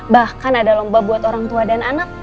bahkan ada lomba buat orang tua dan anak